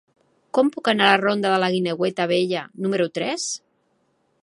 Com puc anar a la ronda de la Guineueta Vella número tres?